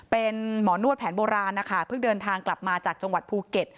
เป็นหมอนวดแผนโบราณนะคะเพิ่งเดินทางกลับมาจากจังหวัดภูเก็ต